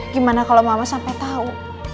gimana kalau mama sampai tahu